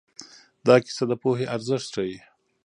دا کیسه د پوهې ارزښت ښيي.